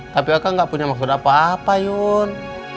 tapi aka gak punya maksud apa apa yun